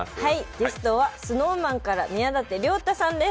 ゲストはＳｎｏｗＭａｎから宮舘涼太さんです。